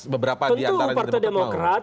beberapa diantaranya tentu partai demokrat